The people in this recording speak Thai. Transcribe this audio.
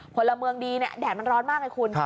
พลเมืองดีแดดมันร้อนมากไงคุณ